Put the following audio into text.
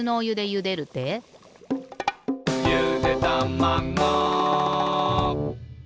「ゆでたまご」